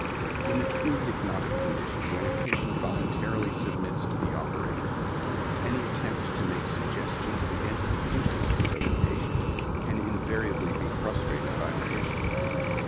In the true hypnotic condition, when a patient voluntarily submits to the operator, any attempt to make suggestions against the interests of the patient can invariably be frustrated by the patient.